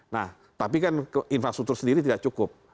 nah tapi kan infrastruktur sendiri tidak cukup